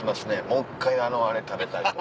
もう１回あのあれ食べたいとか。